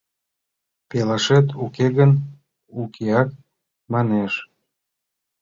«Пелашет уке гын, укеак» манеш.